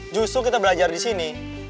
justru kita belajar di sini